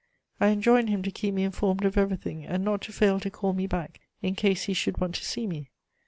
I enjoined him to keep me informed of everything and not to fail to call me back in case he should want to see me.